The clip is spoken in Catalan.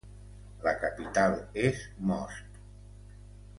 La capital és Most.